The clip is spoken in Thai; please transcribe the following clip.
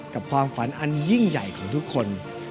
กับความฝันอันยิ่งใหญ่ของทุกคน